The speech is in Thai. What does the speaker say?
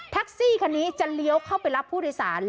ซี่คันนี้จะเลี้ยวเข้าไปรับผู้โดยสาร